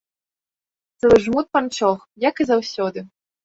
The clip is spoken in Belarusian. Цэлы жмут панчох, як і заўсёды.